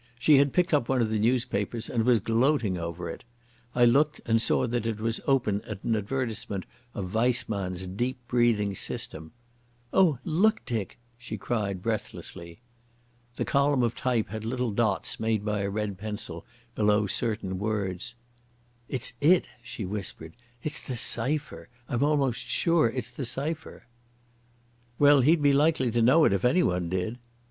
She had picked up one of the newspapers and was gloating over it. I looked and saw that it was open at an advertisement of Weissmann's "Deep breathing" system. "Oh, look, Dick," she cried breathlessly. The column of type had little dots made by a red pencil below certain words. "It's it," she whispered, "it's the cipher—I'm almost sure it's the cipher!" "Well, he'd be likely to know it if anyone did."